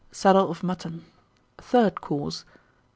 Saddle of Mutton. _Third Course.